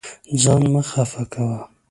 ځان مه خفه کوه.